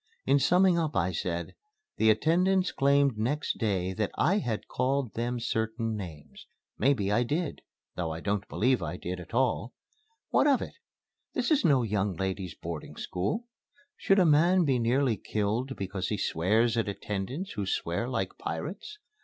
In summing up I said, "The attendants claimed next day that I had called them certain names. Maybe I did though I don't believe I did at all. What of it? This is no young ladies' boarding school. Should a man be nearly killed because he swears at attendants who swear like pirates?